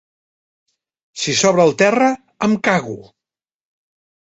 Si s'obre el terra em cago!